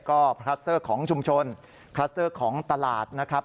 ก็คลัสเตอร์ของชุมชนคลัสเตอร์ของตลาดนะครับ